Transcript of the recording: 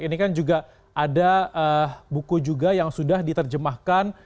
ini kan juga ada buku juga yang sudah diterjemahkan